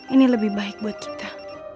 ini lebih baik buat kita